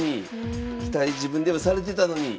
自分ではされてたのに。